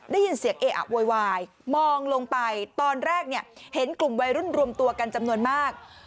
ได้ยินเสียงเออะโวยวายมองลงไปตอนแรกเนี่ยเห็นกลุ่มวัยรุ่นรวมตัวกันจำนวนมาก